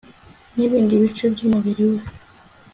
nibindi bice byumubiri we